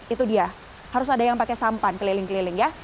itu dia harus ada yang pakai sampan keliling keliling ya